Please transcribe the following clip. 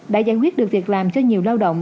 đã giải quyết được việc làm cho nhiều lao động